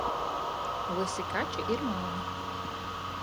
Vysi kači ir malni.